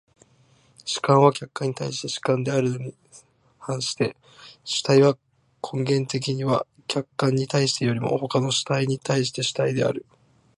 主観は客観に対して主観であるに反して、主体は根源的には客観に対してよりも他の主体に対して主体である。